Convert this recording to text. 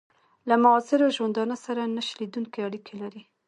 له معاصر ژوندانه سره نه شلېدونکي اړیکي لري.